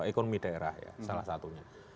ekonomi daerah ya salah satunya